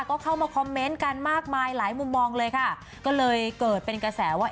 ก็เข้ามาคอมเมนต์กันมากมายหลายมุมมองเลยค่ะก็เลยเกิดเป็นกระแสว่า